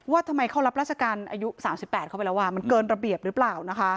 ทำไมเขารับราชการอายุ๓๘เข้าไปแล้วมันเกินระเบียบหรือเปล่านะคะ